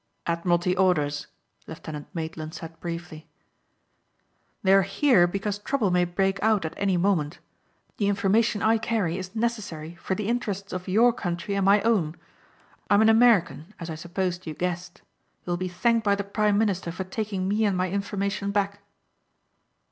"Admiralty orders," Lieutenant Maitland said briefly. "They are here because trouble may break out at any moment. The information I carry is necessary for the interests of your country and my own. I'm an American as I supposed you guessed. You will be thanked by the prime minister for taking me and my information back."